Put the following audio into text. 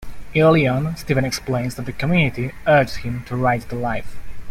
Early on, Stephen explains that the community urged him to write the "Life".